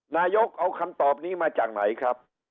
นายกเอาคำตอบนี้มาจากไหนครับ